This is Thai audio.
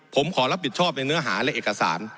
ผมขอรับผิดชอบในเนื้อหาและเอกสาร